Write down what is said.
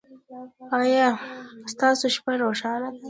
ایا ستاسو شپه روښانه ده؟